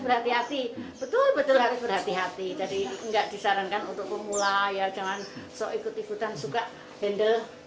berhati hati betul betul harus berhati hati jadi enggak disarankan untuk pemula ya jangan sok ikut ikutan suka handle